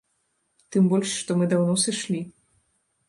Тым больш што мы даўно сышлі.